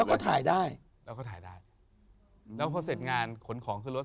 แล้วก็ถ่ายได้เราก็ถ่ายได้แล้วพอเสร็จงานขนของขึ้นรถ